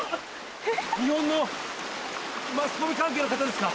日本のマスコミ関係の方ですか？